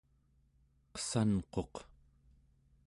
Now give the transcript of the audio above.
qessanquq